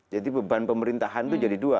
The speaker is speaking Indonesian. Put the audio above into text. jadi beban pemerintahan itu jadi dua